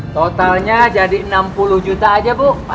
totalnya jadi enam puluh juta aja bu